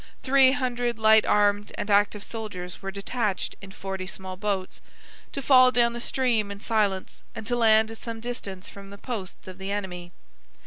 Three hundred light armed and active soldiers were detached in forty small boats, to fall down the stream in silence, and to land at some distance from the posts of the enemy.